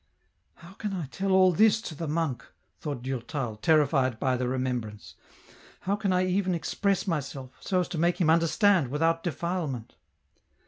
" How can I tell all this to the monk ?" thought Durtal, terrified by the remembrance ;" how can I even express myself, so as to make him "Understand without defilement